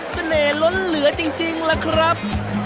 เสน่ห์ล้นเหลือจริงล่ะครับ